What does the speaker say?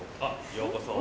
ようこそ。